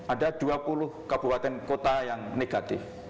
ada dua puluh kabupaten kota yang negatif